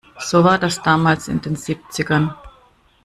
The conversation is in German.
So war das damals in den Siebzigern.